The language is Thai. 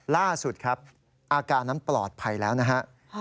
ล่าสุดครับอาการนั้นปลอดภัยแล้วนะฮะ